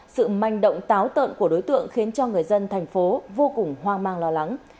sự manh động táo tợn của đối tượng khiến cho người dân thành phố vô cùng hoang mang lo lắng